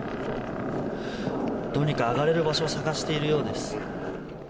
どうにか上がれる場所を探しているようです。